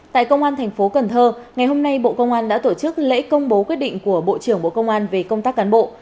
tại công an thành phố cần thơ ngày hôm nay bộ công an đã tổ chức lễ công bố quyết định của bộ trưởng bộ công an về công tác cán bộ